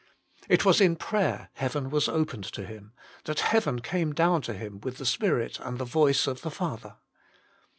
It was in prayer heaven was opened to Him, that heaven came down to Him with the Spirit and the voice of the Father.